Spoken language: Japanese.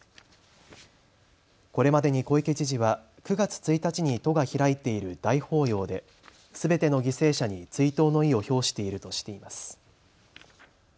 これまでに小池知事は９月１日に都が開いている大法要ですべての犠牲者に追悼の意を表しているとしています。